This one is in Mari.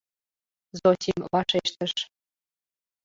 — Зосим вашештыш.